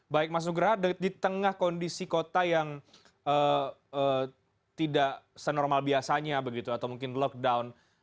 baik mas nugra di tengah kondisi kota yang tidak senormal biasanya begitu atau mungkin lockdown